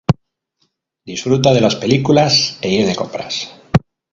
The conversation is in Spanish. Disfruta de las películas e ir de compras.